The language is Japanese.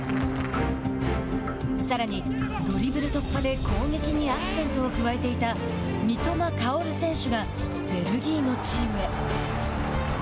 さらに、ドリブル突破で攻撃にアクセントを加えていた三笘薫選手がベルギーのチームへ。